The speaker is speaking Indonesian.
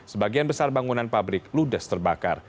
sebagian besar bangunan pabrik ludes terbakar